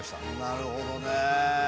なるほどね。